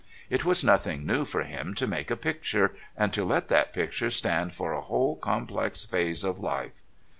It was nothing new for him to make a picture, and to let that picture stand for a whole complex phase of life.